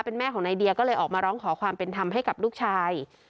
เป็นแม่ของนายเดียก็เลยออกมาร้องขอความเป็นธรรมให้กับลูกชาย